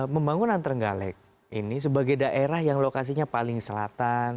pembangunan terenggalek ini sebagai daerah yang lokasinya paling selatan